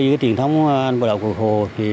truyền thống bộ đạo cụi hồ